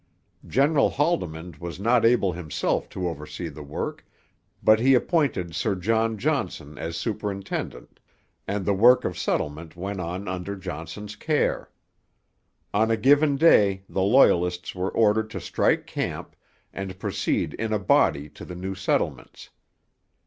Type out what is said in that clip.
General Haldimand was not able himself to oversee the work; but he appointed Sir John Johnson as superintendent, and the work of settlement went on under Johnson's care. On a given day the Loyalists were ordered to strike camp, and proceed in a body to the new settlements.